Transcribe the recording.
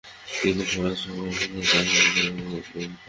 তিনি ফারস ও করমানে তার সেনাদল প্রেরণ করেন।